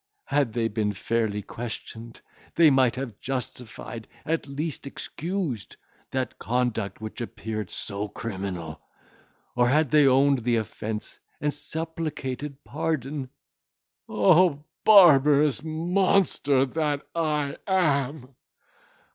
Had they been fairly questioned, they might have justified, at least excused, that conduct which appeared so criminal; or had they owned the offence, and supplicated pardon—O barbarous monster that I am!